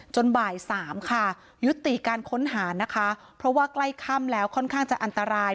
บ่ายสามค่ะยุติการค้นหานะคะเพราะว่าใกล้ค่ำแล้วค่อนข้างจะอันตราย